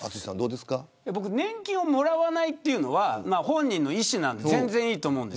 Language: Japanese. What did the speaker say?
年金をもらわないというのは本人の意思なので全然いいと思います。